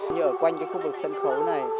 như ở quanh cái khu vực sân khấu này